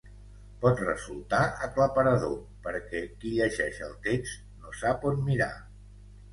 Pot resultar aclaparador perquè qui llegeix el text no sap on mirar.